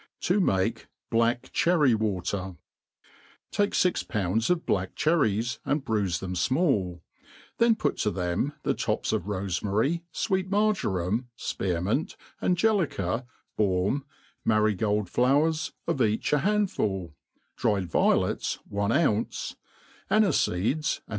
To maki Black Cberry Water* "* TAKE fix pounds of black cherries, ztA bruifc them fmati j then put to them the tops of rofchfiary, fwcet oiarjoraoi, fpeari mint, angelica, baum, marygold flowers, of each a handful, dried violets one ounce, anife*feeds ind.